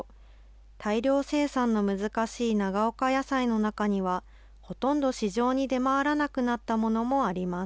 大量生産の難しい長岡野菜の中にはほとんど市場に出回らなくなったものもあります。